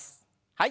はい。